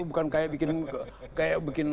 bukan kayak bikin